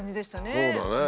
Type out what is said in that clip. そうだよね。